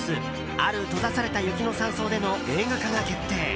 「ある閉ざされた雪の山荘で」の映画化が決定。